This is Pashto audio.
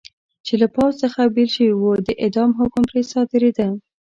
چې له پوځ څخه بېل شوي و، د اعدام حکم پرې صادرېده.